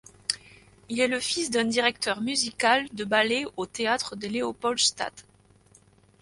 Il est le fils d'un directeur musical de ballet au Théâtre de Leopoldstadt.